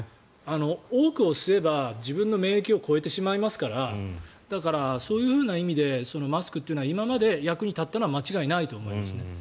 多くを吸えば、自分の免疫を超えてしまいますからだからそういう意味でマスクというのは今まで役に立ったのは間違いないと思いますね。